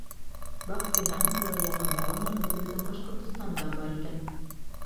Баҡтиһәң, улар яҡында ғына, үҙебеҙҙең Башҡортостанда, бар икән.